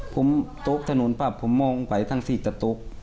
ผมโต๊ะถนนปั๊บผมมองไปทั้ง๔ตะโต๊ะ